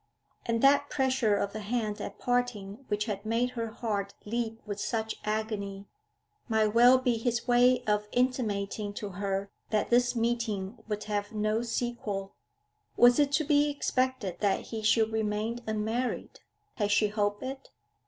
And that pressure of the hand at parting which had made her heart leap with such agony, might well be his way of intimating to her that this meeting would have no sequel. Was it to be expected that he should remain unmarried? Had she hoped it?